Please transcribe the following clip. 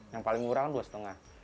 yang paling murah dua lima